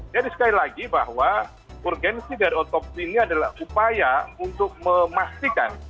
jadi sekali lagi bahwa urgensi dan otopsi ini adalah upaya untuk memastikan